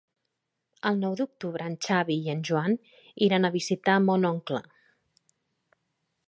El nou d'octubre en Xavi i en Joan iran a visitar mon oncle.